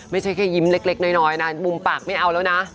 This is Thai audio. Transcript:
ไม่ใช่แค่ยิ้มเล็กน้อยนะมุมปากไม่เอาแล้วนะ